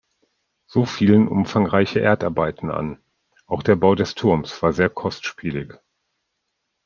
So fielen umfangreiche Erdarbeiten an, auch der Bau des Turms war sehr kostspielig.